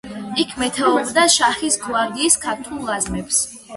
იქ მეთაურობდა შაჰის გვარდიის ქართულ რაზმებს.